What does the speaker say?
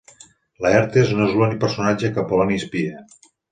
Laertes no és l'únic personatge que Poloni espia.